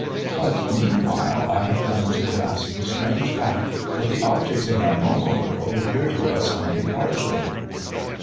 But, meanwhile, I had come to grasp the strange fact that the objects in our normal world appear to us only partially."